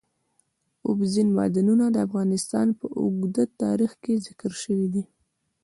اوبزین معدنونه د افغانستان په اوږده تاریخ کې ذکر شوی دی.